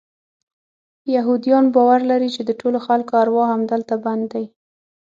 یهودان باور لري چې د ټولو خلکو ارواح همدلته بند دي.